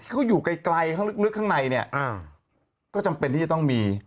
เขาอยู่ไกลข้างลึกข้างในเนี่ยก็จำเป็นที่จะต้องมี